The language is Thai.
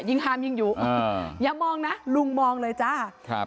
ห้ามยิงอยู่อ่าอย่ามองนะลุงมองเลยจ้าครับ